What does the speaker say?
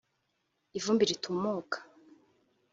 ivumbi ritumuka